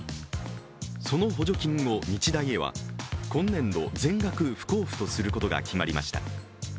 その補助金を日大へは今年度、全額不交付とすることが決まりました。